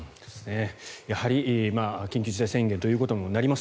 やはり緊急事態宣言ということになります。